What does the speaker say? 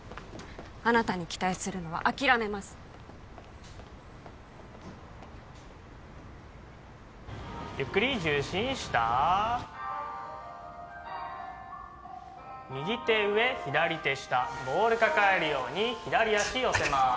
あなたに期待するのは諦めます・ゆっくり重心下右手上左手下ボール抱えるように左足寄せます